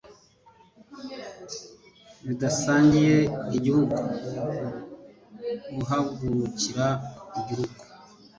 Bidasangiye igihugu Uhagurukira igihugu,